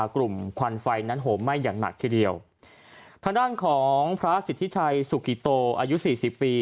ควันไฟนั้นโหมไหม้อย่างหนักทีเดียวทางด้านของพระสิทธิชัยสุขิโตอายุสี่สิบปี